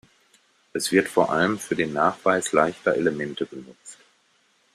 Es wird vor allem für den Nachweis leichter Elemente genutzt.